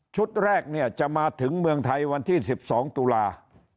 ชุดแรกจะมาถึงเมืองไทยวันที่๑๒ตุลาห์